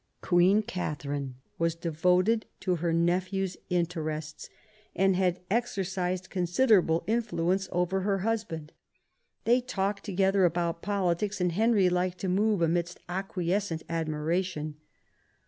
Queen Katharine was devoted to her nephew's interests, and had exercised con siderable influence over her husband. They talked together about politics, and Henry liked to move amidst acquiescent admiration.